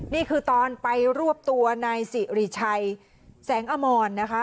นี่คือตอนไปรวบตัวนายสิริชัยแสงอมรนะคะ